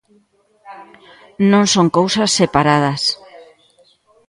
Non son cousas separadas.